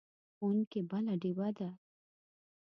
ښوونکی بله ډیوه ده.